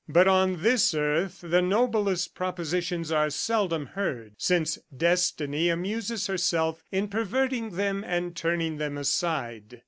But on this earth, the noblest propositions are seldom heard, since Destiny amuses herself in perverting them and turning them aside.